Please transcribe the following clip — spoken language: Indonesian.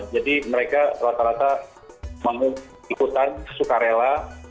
jadi mereka rata rata mau ikutan suka rela